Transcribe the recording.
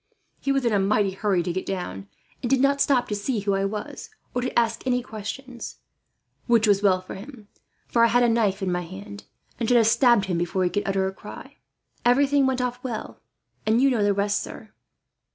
He was in a mighty hurry to get down, and did not stop to see who I was, or to ask any questions; which was well for him, for I had my knife in my hand, and should have stabbed him before he could utter a cry. Everything went off well, and you know the rest, sir."